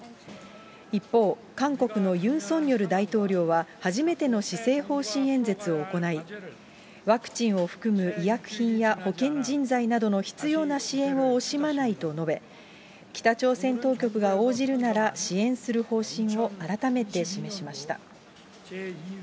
一方、韓国のユン・ソンニョル大統領は、初めての施政方針演説を行い、ワクチンを含む医薬品や保健人材などの必要な支援を惜しまないと述べ、北朝鮮当局が応じるなら支援する方針を改めて示しました。